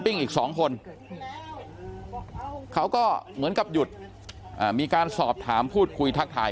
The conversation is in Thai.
อีกสองคนเขาก็เหมือนกับหยุดมีการสอบถามพูดคุยทักทาย